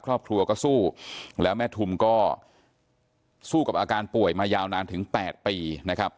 ครอบครัวก็สู้แล้วแม่ทุมก็สู้กับอาการป่วยมายาวนานถึง๘ปีนะครับ